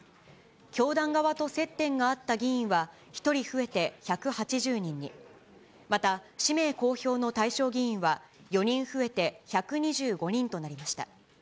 教団側と接点があった議員は１人増えて１８０人に、また氏名公表の対象議員は４人増えて１２５人となりました。